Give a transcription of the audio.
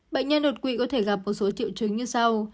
bệnh nhân đột quỵ có thể gặp một số triệu chứng như sau